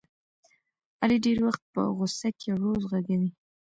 علي ډېری وخت په غوسه کې روض غږوي.